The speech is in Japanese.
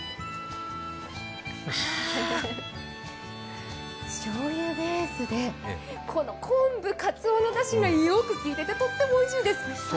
はあ、しょうゆベースで昆布、かつおのだしがよくきいていてとってもおいしいです。